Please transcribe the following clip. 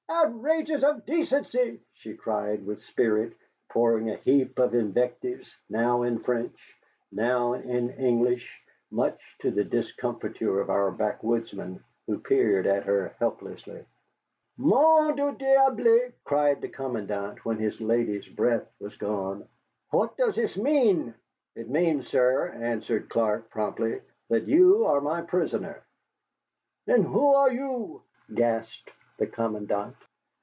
Outragers of decency!" she cried with spirit, pouring a heap of invectives, now in French, now in English, much to the discomfiture of our backwoodsmen, who peered at her helplessly. "Nom du diable!" cried the commandant, when his lady's breath was gone, "what does this mean?" "It means, sir," answered Clark, promptly, "that you are my prisoner." "And who are you?" gasped the commandant.